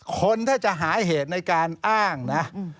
คนถ้าจะหาเหตุในการอ้างนะ